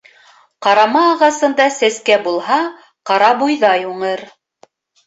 Ҡарама ағасында сәскә булһа, ҡарабойҙай уңыр.